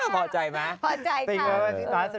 พอใจไหมพอใจครับสงสัย